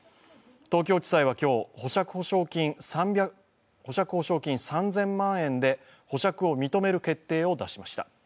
東京地裁は今日、保釈保証金３０００万円で保釈を認める決定を出しました。